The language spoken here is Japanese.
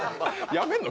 やめんの？